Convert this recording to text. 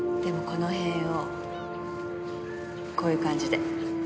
この辺をこういう感じで。